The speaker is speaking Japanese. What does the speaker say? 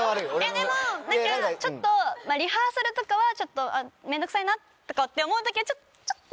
でも何かちょっとリハーサルとかは面倒くさいなとかって思う時はちょっとね。